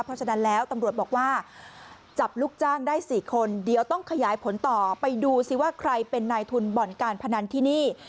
เพราะฉะนั้นแล้วตำรวจบอกว่าจับลูกจ้างได้๔คนเดี๋ยวต้องขยายผลต่อไปดูสิว่าใครเป็นนายทุนบ่อนการพนันที่นี่